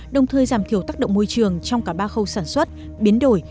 đồng thời giảm thiểu tác động môi trường trong cả ba khâu sản xuất biến đổi